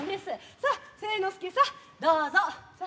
さっ、清之助さん、どうぞ。